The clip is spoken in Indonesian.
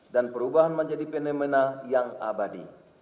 dan perubahan menjadi fenomena yang abadi